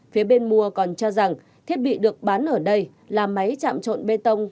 phía bên mua còn cho rằng thiết bị được bán ở đây là máy chạm trộn bê tông